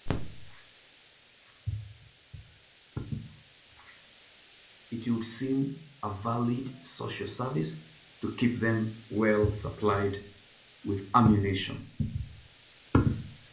It would seem a valid social service to keep them well-supplied with ammunition.